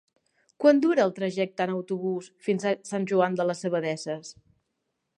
Quant dura el trajecte en autobús fins a Sant Joan de les Abadesses?